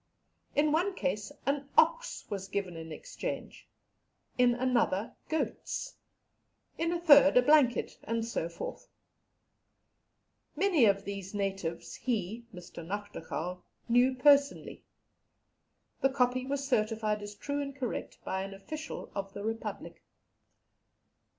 In one case an ox was given in exchange, in another goats, in a third a blanket, and so forth. Many of these natives he (Mr. Nachtigal) knew personally. The copy was certified as true and correct by an official of the Republic."